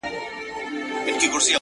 د مرګي هسي نوم بدنام دی؛